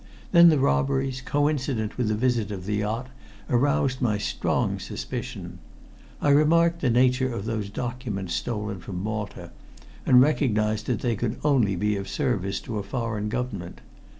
Then the robberies, coincident with the visit of the yacht, aroused my strong suspicion. I remarked the nature of those documents stolen from Malta, and recognized that they could only be of service to a foreign government.